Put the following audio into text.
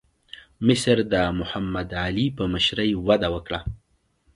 مصر د محمد علي په مشرۍ وده وکړه.